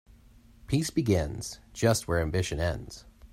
Peace begins just where ambition ends.